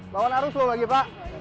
lawan arus loh lagi pak